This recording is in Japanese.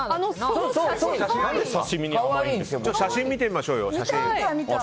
写真見てみましょうよ。